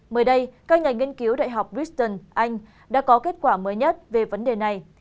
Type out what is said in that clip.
mới đây các nhà nghiên cứu đại học briston anh đã có kết quả mới nhất về vấn đề này